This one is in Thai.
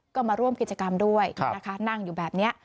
ก็มาร่วมกิจกรรมด้วยนะคะนั่งอยู่แบบนี้